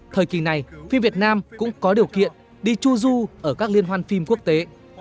thời kỳ này phim việt nam cũng có điều kiện đi chu du ở các liên hoan phim quốc tế